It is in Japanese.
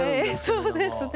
そうですね